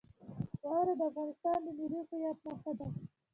واوره د افغانستان د ملي هویت نښه ده.